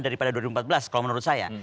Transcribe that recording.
daripada dua ribu empat belas kalau menurut saya